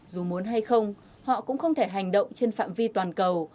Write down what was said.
dù muốn hay không họ cũng không thể hành động trên phạm vi toàn cầu